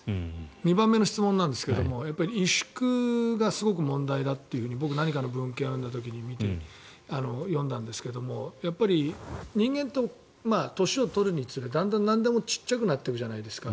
２番目の質問ですが萎縮がすごく問題だと何かの文献を見て読んだんですが人間って年を取るにつれだんだん小さくなるじゃないですか。